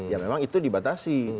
ya memang itu dibatasi